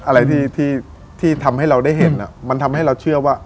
อะไรที่ทำให้เราได้เห็นมันทำให้เราเชื่อว่า